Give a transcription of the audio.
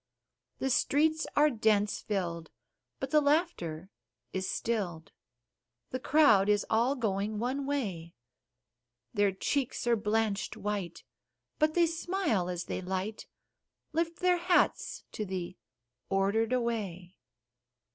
The streets are dense filled, but the laughter is still'd The crowd is all going one way; Their cheeks are blanched white, but they smile as they light Lift their hats to the Ordered away.